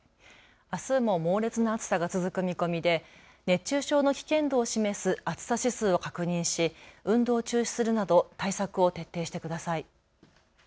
あすも猛烈な暑さが続く見込みで熱中症の危険度を示す暑さ指数を確認し運動を中止するなど対策を徹底してください。